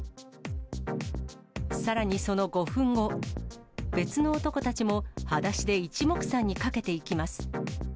さらにその５分後、別の男たちもはだしでいちもくさんにかけていきます。